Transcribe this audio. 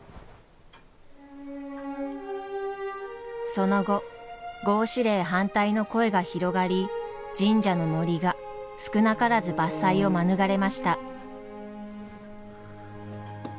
その後合祀令反対の声が広がり神社の森が少なからず伐採を免れました。